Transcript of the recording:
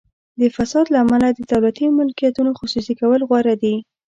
د فساد له امله د دولتي ملکیتونو خصوصي کول غوره دي.